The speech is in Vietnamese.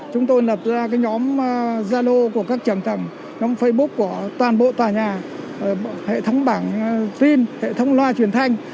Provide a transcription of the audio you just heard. chúng tôi lập ra cái nhóm zalo của các trường tầng nhóm facebook của toàn bộ tòa nhà hệ thống bảng tin hệ thống loa truyền thanh